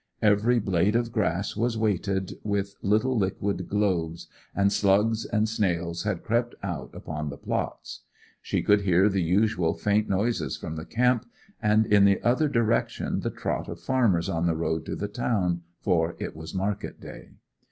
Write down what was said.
Every blade of grass was weighted with little liquid globes, and slugs and snails had crept out upon the plots. She could hear the usual faint noises from the camp, and in the other direction the trot of farmers on the road to the town, for it was market day.